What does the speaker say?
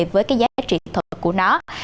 với cái giá trị thật của nó